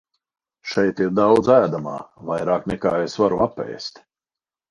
Šeit ir daudz ēdamā, vairāk nekā es varu apēst.